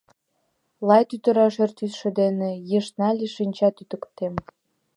Лай тӱтыра шӧр тӱсшӧ дене Йышт нале шинча тӱткытем.